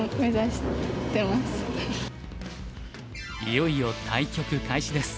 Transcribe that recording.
いよいよ対局開始です。